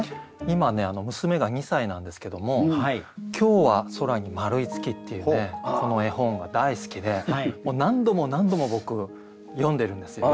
今ね娘が２歳なんですけども「きょうはそらにまるいつき」っていうこの絵本が大好きでもう何度も何度も僕読んでるんですよ。